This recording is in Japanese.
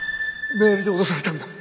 メールで脅されたんだ。